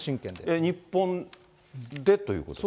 日本でということですか？